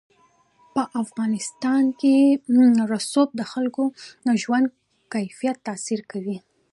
په افغانستان کې رسوب د خلکو د ژوند کیفیت تاثیر کوي.